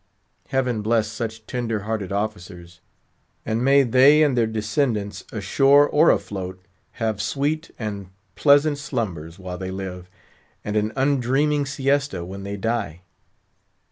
Heaven bless such tender hearted officers; and may they and their descendants—ashore or afloat—have sweet and pleasant slumbers while they live, and an undreaming siesta when they die.